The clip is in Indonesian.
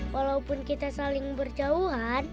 walaupun kita saling berjauhan